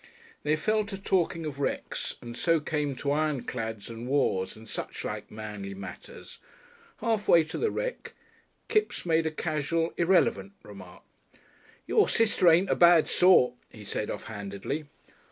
They fell to talking of wrecks, and so came to ironclads and wars and suchlike manly matters. Half way to the wreck Kipps made a casual irrelevant remark. "Your sister ain't a bad sort," he said off handedly.